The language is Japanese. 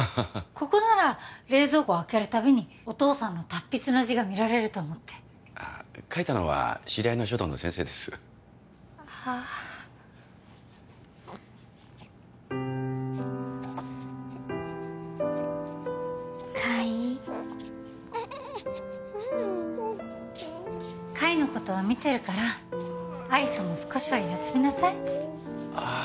ここなら冷蔵庫開けるたびにお父さんの達筆な字が見られると思ってああ書いたのは知り合いの書道の先生ですはあ海海のことは見てるから有栖も少しは休みなさいああ